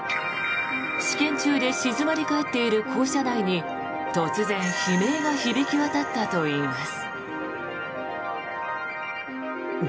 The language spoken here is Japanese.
試験中で静まり返っている校舎内に突然、悲鳴が響き渡ったといいます。